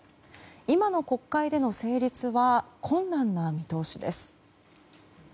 今の国会での成立は困難な見通しです。